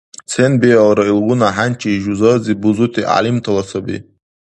Сен-биалра, илгъуна хӀянчи жузазиб бузути гӀялимтала саби.